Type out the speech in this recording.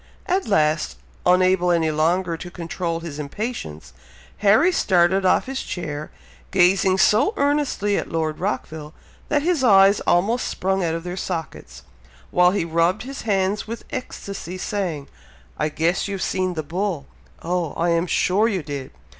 At last, unable any longer to control his impatience, Harry started off his chair, gazing so earnestly at Lord Rockville, that his eyes almost sprung out of their sockets, while he rubbed his hands with ecstacy, saying, "I guess you've seen the bull? Oh! I am sure you did!